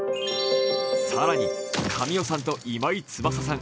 更に、神尾さんと今井翼さん